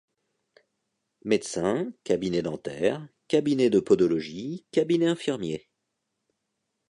Médecins, cabinet dentaire, cabinet de podologie, cabinet infirmier.